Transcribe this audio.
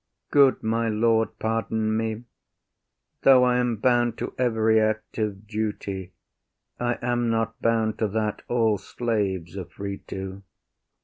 IAGO. Good my lord, pardon me. Though I am bound to every act of duty, I am not bound to that all slaves are free to.